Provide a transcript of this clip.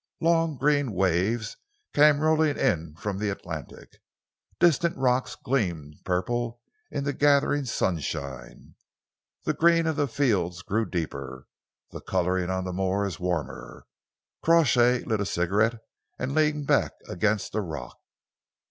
Long, green waves came rolling in from the Atlantic. Distant rocks gleamed purple in the gathering sunshine. The green of the fields grew deeper, the colouring on the moors warmer. Crawshay lit a cigarette and leaned back against a rock.